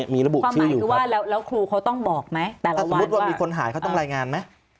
มีระบุชื่ออยู่ครับถ้าสมมติว่ามีคนหายเขาต้องรายงานไหม